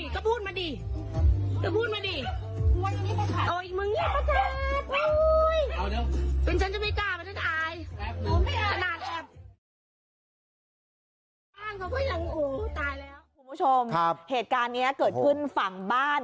คุณผู้ชมเหตุการณ์นี้เกิดขึ้นฝั่งบ้าน